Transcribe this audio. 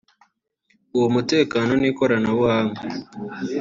uwo mutekano n’ikoranabunga